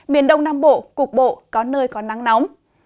miền đông nam bộ cục bộ có nơi có nắng nóng